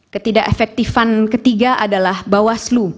ketidak efektifan ketiga adalah bawaslu